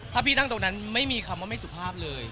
ถ้าพี่นั่งตรงนั้นไม่มีคำว่าไม่สุภาพเลย